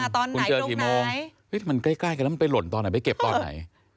คุณเจอกี่โมงมันใกล้กันแล้วมันไปหล่นตอนไหนไปเก็บตอนไหน